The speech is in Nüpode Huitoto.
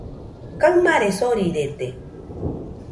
Kaɨmare sorirede.